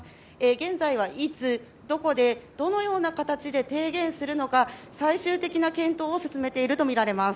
現在は、いつどこでどのような形で提言するのか最終的な検討を進めているとみられます。